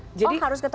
oh harus ketemu